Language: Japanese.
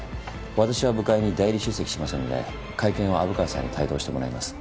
私は部会に代理出席しますので会見は虻川さんに帯同してもらいます。